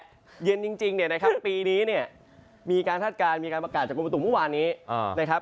แต่เย็นจริงปีนี้มีการทัดการมีการประกาศจากกลุ่มประตุกภูมิวานี้